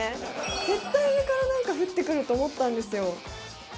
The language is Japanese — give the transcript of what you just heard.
絶対上からなんか降ってくると思ったんですよ。